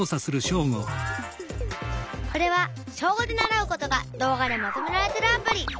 これは小５で習うことが動画でまとめられてるアプリ。